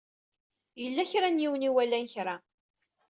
Yella kra n yiwen i iwalan kra.